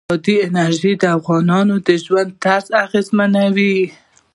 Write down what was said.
بادي انرژي د افغانانو د ژوند طرز اغېزمنوي.